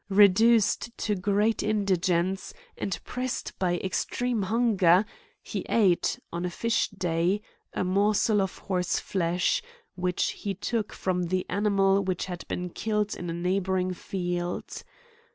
Reduced to great indigence, and prest by extreme hunger, he ate, on a fish day, a morsel of Horse flesh which he took from the animal which had been killed in a neighbouring field.